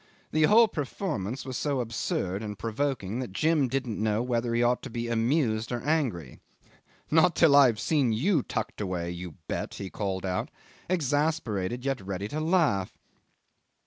The whole performance was so absurd and provoking that Jim didn't know whether he ought to be amused or angry. "Not till I have seen you tucked away, you bet," he called out, exasperated yet ready to laugh.